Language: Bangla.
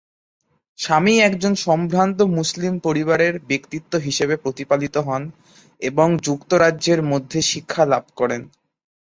সামি একজন সম্ভ্রান্ত মুসলিম পরিবারের ব্যক্তিত্ব হিসাবে প্রতিপালিত হন এবং যুক্তরাজ্যের মধ্যে শিক্ষা লাভ করেন।